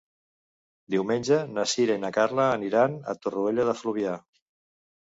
Diumenge na Sira i na Carla aniran a Torroella de Fluvià.